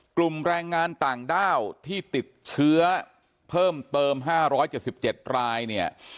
กลุ่มแรงงานต่างด้าวที่ติดเชื้อเพิ่มเติม๕๗๗รายเนี่ย